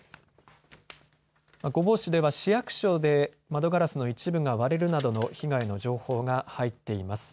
御坊市では市役所で窓ガラスの一部が割れるなどの被害の情報が入っています。